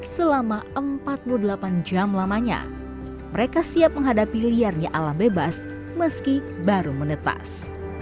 selama empat puluh delapan jam lamanya mereka siap menghadapi liarnya alam bebas meski baru menetas